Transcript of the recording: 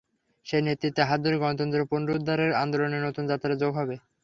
সেই নেতৃত্বের হাত ধরেই গণতন্ত্র পুনরুদ্ধারের আন্দোলনে নতুন মাত্রা যোগ হবে।